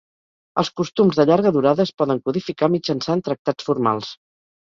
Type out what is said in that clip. Els costums de llarga durada es poden codificar mitjançant tractats formals.